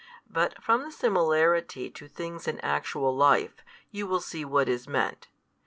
But from the similarity to things in actual life, you will see what is meant.